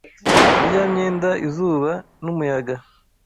Karyamyenda izuba n,umuyaga